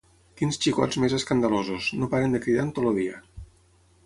Quins xicots més escandalosos: no paren de cridar en tot el dia.